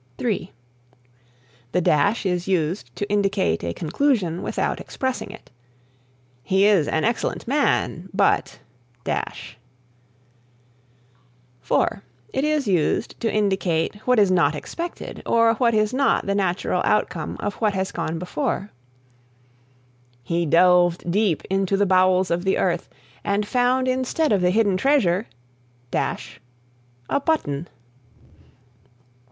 (3) The Dash is used to indicate a conclusion without expressing it: "He is an excellent man but " (4) It is used to indicate what is not expected or what is not the natural outcome of what has gone before: "He delved deep into the bowels of the earth and found instead of the hidden treasure a button."